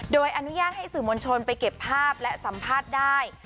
โดยอนุญาตให้สื่อมวลชนไปเก็บภาพและสัมภาษณ์ได้